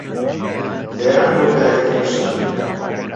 دەیان هۆکاری تریش هەن